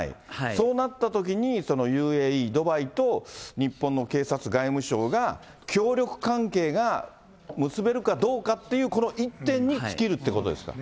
そうなったときに、ＵＡＥ、ドバイと、日本の警察、外務省が、協力関係が結べるかどうかっていう、この一点に尽きるということですか。